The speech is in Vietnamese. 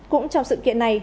cũng trong sự kiện này